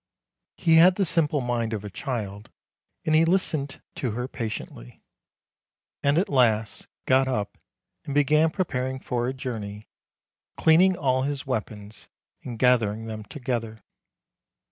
" He had the simple mind of a child, and he listened to her patiently, and at last got up and began preparing for a journey, cleaning all his weapons, and gathering them together.